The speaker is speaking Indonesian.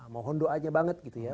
mohon doanya banget gitu ya